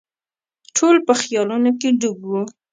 ټول په خیالونو کې ډوب وو.